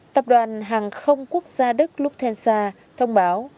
tập đoàn hàng không quốc gia đức lufthansa thông báo